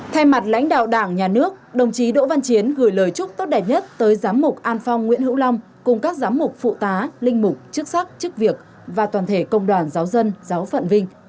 thay mặt lãnh đạo đảng nhà nước đồng chí đỗ văn chiến gửi lời chúc tốt đẹp nhất tới giám mục an phong nguyễn hữu long cùng các giám mục phụ tá linh mục chức sắc chức việc và toàn thể công đoàn giáo dân giáo phận vinh